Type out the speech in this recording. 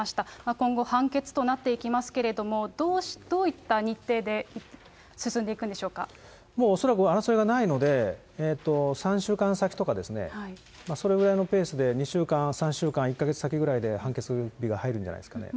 今後、判決となっていきますけれども、どういった日程で進もう恐らく争いはないので、３週間先とかですね、それぐらいのペースで２週間、３週間、１か月先ぐらいで、判決日が入るんじゃないですかね。